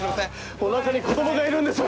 おなかに子供がいるんです！